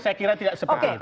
saya kira tidak seperti itu